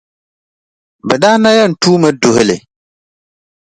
Bɛ daa na yɛn tuumi duhi li.